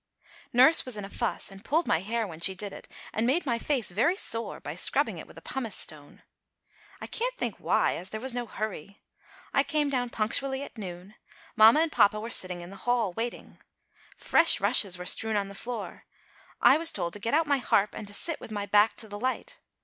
Nurse was in a fuss and pulled my hair when she did it, and made my face very sore by scrubbing it with pumice stone. I can't think why, as there was no hurry. I came down punctually at noon. Mamma and papa were sitting in the hall, waiting. Fresh rushes were strewn on the floor. I was told to get out my harp, and to sit with my back to the light.